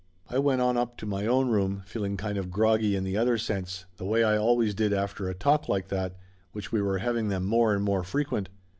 I went on up to my own room, feeling kind of groggy in the other sense, the way I always did after a talk like that, which we were having them more and more frequent.